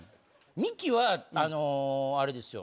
ミキはあのあれですよ。